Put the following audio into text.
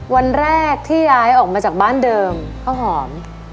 วันแรกที่ย้ายออกมาจากบ้านเดิมข้าวหอม